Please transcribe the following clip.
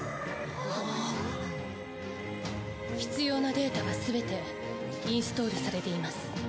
必要なデータはすべてインストールされています。